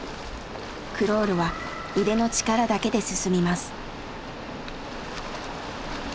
クロールは腕の力だけで進みます。